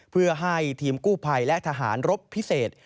เพื่อให้ทีมกู้ภัยและทหารรบพิเศษ